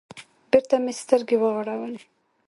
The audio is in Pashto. بېرته مې سترگې وغړولې.